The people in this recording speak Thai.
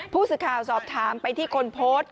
ผู้สื่อข่าวสอบถามไปที่คนโพสต์